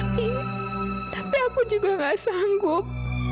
tapi aku juga gak sanggup